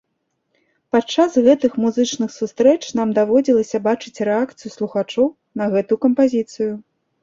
Падчас гэтых музычных сустрэч нам даводзілася бачыць рэакцыю слухачоў на гэту кампазіцыю.